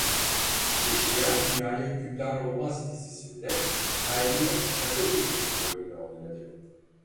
Eşkıya Dünyaya Hükümdar Olmaz dizisinde "Hayriye Çakırbeyli" rolünü oynadı.